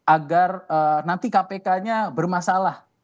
agar nanti kpk nya bermasalah